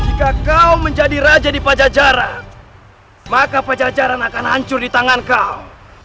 jika kau menjadi raja di pajajaran maka pajajaran akan hancur di tangan kau